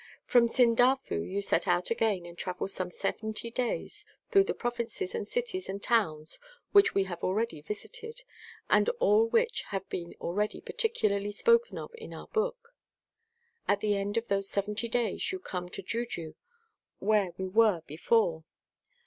^ From Sindafu you set out again and travel some 70 days through the provinces and cities and towns which we have already visited, and all which have been already particularly spoken of in our Book. At the end of those 70 days you come to Juju where we were before.